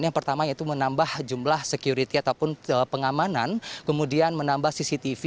yang pertama yaitu menambah jumlah security ataupun pengamanan kemudian menambah cctv